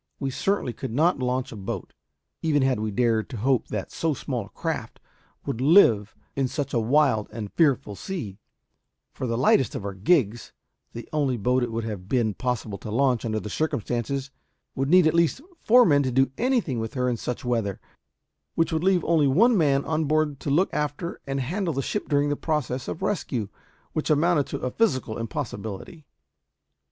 We certainly could not launch a boat, even had we dared to hope that so small a craft would live in such a wild and fearful sea; for the lightest of our gigs the only boat it would have been possible to launch, under the circumstances would need at least four men to do anything with her in such weather, which would leave only one man on board to look after and handle the ship during the process of rescue which amounted to a physical impossibility.